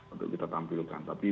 untuk kita tampilkan tapi